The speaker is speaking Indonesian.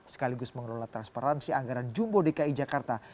sekaligus mengelola transparansi anggaran jumbo dki jakarta